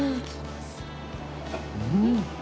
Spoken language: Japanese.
うん。